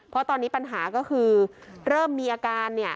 เพราะตอนนี้ปัญหาก็คือเริ่มมีอาการเนี่ย